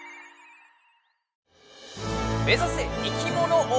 目ざせいきもの王！